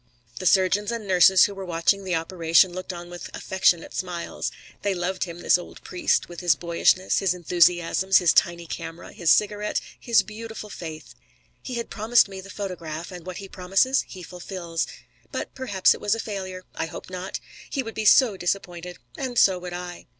The surgeons and nurses who were watching the operation looked on with affectionate smiles. They loved him, this old priest, with his boyishness, his enthusiasms, his tiny camera, his cigarette, his beautiful faith. He has promised me the photograph and what he promises he fulfils. But perhaps it was a failure. I hope not. He would be so disappointed and so would I.